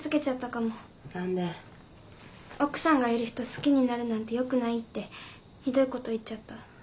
奥さんがいる人好きになるなんてよくないってひどいこと言っちゃった。